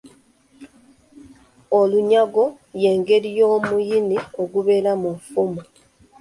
Olunyago y’engeri y’omuyini ogubeera mu ffumu.